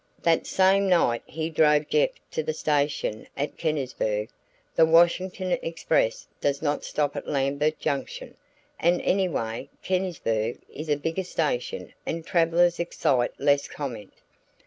"That same night he drove Jeff to the station at Kennisburg. The Washington express does not stop at Lambert Junction, and anyway Kennisburg is a bigger station and travellers excite less comment.